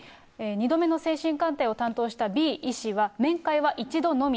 ２度目の精神鑑定を担当したＢ医師は、面会は１度のみ。